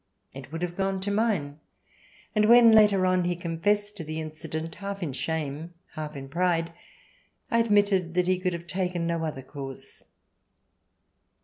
It would have gone to mine ; and when, later on, he confessed to the incident, half in shame, half in pride, I admitted that he could have taken no other course.